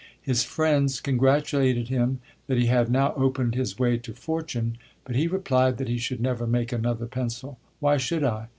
"His friends congratulated him that he had now opened his way to fortune. But he replied that he should never make another pencil. 'Why should I?